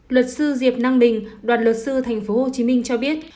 luật sư diệp năng bình đoàn luật sư tp hcm cho biết